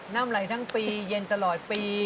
น้ำไหลทั้งปีเย็นตลอดปี